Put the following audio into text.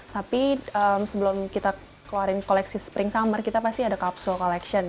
tapi sebelum kita keluarin koleksi spring summer kita pasti ada capsual collection